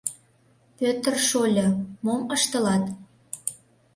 — Пӧтыр шольо, мом ыштылат?